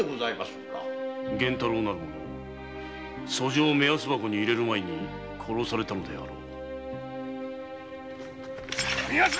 源太郎なる者訴状目安箱に入れる前に殺されたのであろう。